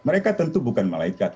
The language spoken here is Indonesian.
mereka tentu bukan malaikat